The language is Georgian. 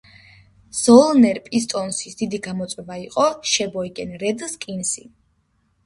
ზოლნერ პისტონსის დიდი გამოწვევა იყო შებოიგენ რედ სკინსი.